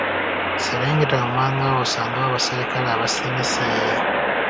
Serengeta wammanga awo osangewo abaserikale abasinise